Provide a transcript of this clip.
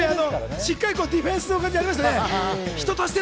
しっかりディフェンスがありましたね。